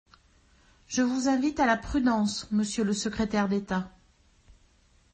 Je vous invite à la prudence, monsieur le secrétaire d’État.